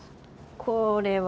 これは。